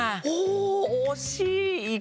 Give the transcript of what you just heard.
おおおしい！